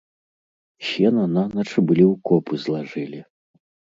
Сена нанач былі ў копы злажылі.